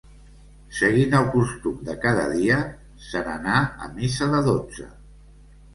Seguint el costum de cada dia, se n'anà a missa de dotze.